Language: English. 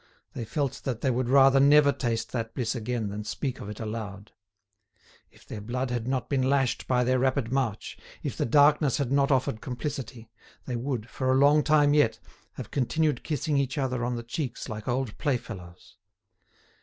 They felt that they would rather never taste that bliss again than speak of it aloud. If their blood had not been lashed by their rapid march, if the darkness had not offered complicity, they would, for a long time yet, have continued kissing each other on the cheeks like old playfellows.